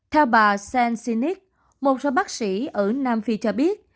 theo bà censinic một số bác sĩ ở nam phi cho biết